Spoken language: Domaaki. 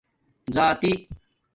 زاتی